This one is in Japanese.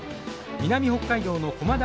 南北海道の駒大